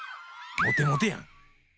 モテモテやん！